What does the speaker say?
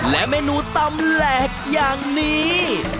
และเมนูตำแหลกอย่างนี้